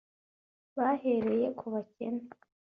bahereye ku bakene